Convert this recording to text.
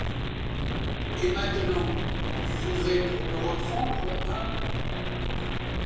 Et, maintenant, tu voudrais, pour me reprendre, hein?